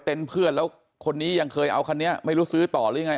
เพื่อนแล้วคนนี้ยังเคยเอาคันนี้ไม่รู้ซื้อต่อหรือยังไง